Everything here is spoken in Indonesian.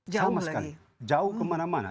jauh lagi jauh kemana mana